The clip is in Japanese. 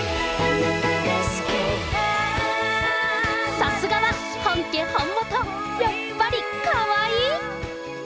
さすがは本家本元、やっぱりかわいい。